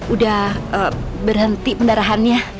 udah berhenti pendarahannya